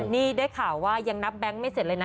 นี่ได้ข่าวว่ายังนับแบงค์ไม่เสร็จเลยนะ